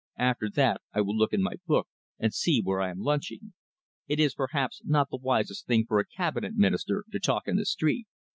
"After that I will look in my book and see where I am lunching. It is perhaps not the wisest thing for a Cabinet Minister to talk in the street.